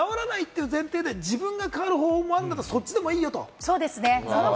でも直らないという前提で、自分が変わる方法があればそっちでもいいよと。